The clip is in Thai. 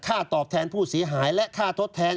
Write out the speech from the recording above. ตอบแทนผู้เสียหายและค่าทดแทน